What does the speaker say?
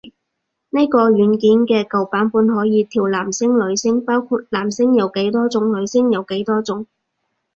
呢個軟件嘅舊版本可以調男聲女聲，包括男聲有幾多種女聲有幾多種